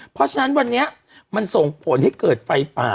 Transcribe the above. เพราะฉะนั้นวันนี้มันส่งผลให้เกิดไฟป่า